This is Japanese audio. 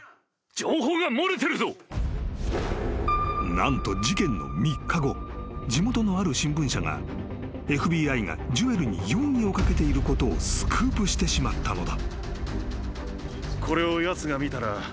［何と事件の３日後地元のある新聞社がＦＢＩがジュエルに容疑を掛けていることをスクープしてしまったのだ］